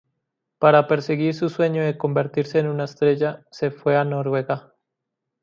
Para perseguir su sueño de convertirse en una estrella, se fue a Noruega.